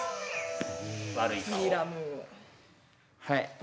はい。